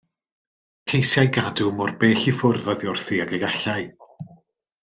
Ceisiai gadw mor bell i ffwrdd oddi wrthi ag y gallai.